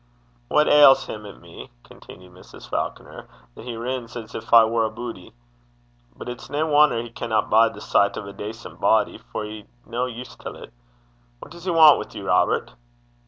'What ails him at me?' continued Mrs. Falconer, 'that he rins as gin I war a boodie? But it's nae wonner he canna bide the sicht o' a decent body, for he's no used till 't. What does he want wi' you, Robert?'